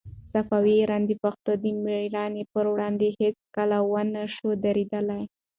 صفوي ایران د پښتنو د مېړانې په وړاندې هيڅکله ونه شوای درېدلای.